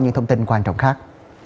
những thông tin quan trọng khác